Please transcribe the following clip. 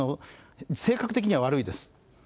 性格的には悪いです。